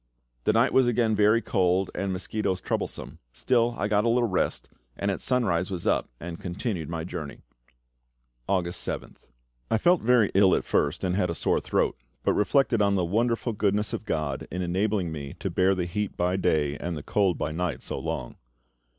The night was again very cold and the mosquitoes troublesome. Still, I got a little rest, and at sunrise was up and continued my journey. August 7th. I felt very ill at first, and had a sore throat, but reflected on the wonderful goodness of GOD in enabling me to bear the heat by day and the cold by night so long.